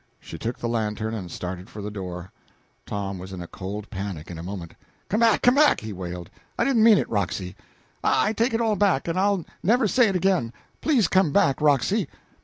She took the lantern and started toward the door. Tom was in a cold panic in a moment. "Come back, come back!" he wailed. "I didn't mean it, Roxy; I take it all back, and I'll never say it again! Please come back, Roxy!"